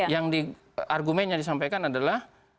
yang argumen yang disampaikan adalah